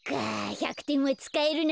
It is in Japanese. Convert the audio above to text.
１００てんはつかえるな。